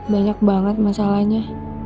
banyak banget masalahnya